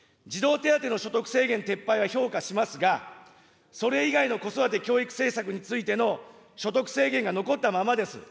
児童手当の所得制限撤廃は評価しますが、それ以外の子育て教育政策についての所得制限が残ったままです。